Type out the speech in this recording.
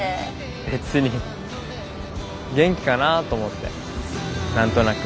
別に元気かなぁと思って何となく。